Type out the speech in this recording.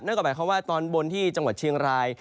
นั่นก็หมายความว่าในตอนบนแจงวัดเฉียงราย